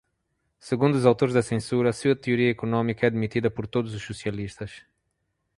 segundo os autores da censura, sua teoria econômica é admitida por todos os socialistas